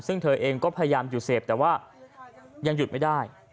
ซึ่งเธอเองก็พยายามหยุดเสพแต่ว่ายังหยุดไม่ได้